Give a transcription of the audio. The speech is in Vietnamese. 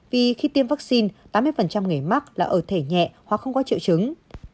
vì khi tiêm vaccine tám mươi người mắc là ở thể nhẹ hoặc không có triệu chứng